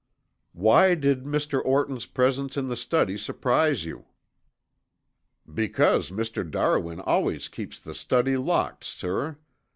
"Why did Mr. Orton's presence in the study surprise you?" "Because Mr. Darwin always keeps the study locked, sir.